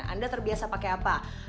anda terbiasa pakai apa